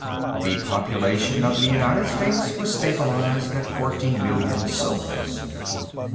The population of the United States was stabilized at forty million souls.